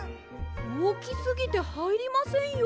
おおきすぎてはいりませんよ。